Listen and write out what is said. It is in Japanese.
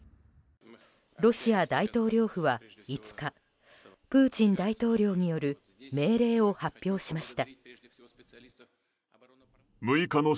ロシア大統領府は５日プーチン大統領による命令を発表しました。